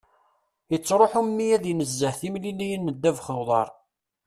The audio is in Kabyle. Ittruḥu mmi ad inezzeh timliliyin n ddabex n uḍar.